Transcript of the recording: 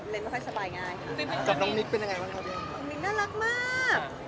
น้องมิ๊กน่ารักมาก